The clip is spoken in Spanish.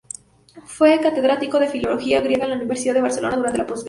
Fue catedrático de filología griega en la Universidad de Barcelona durante la postguerra.